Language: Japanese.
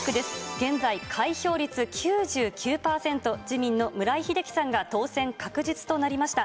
現在、開票率９９％、自民の村井英樹さんが当選確実となりました。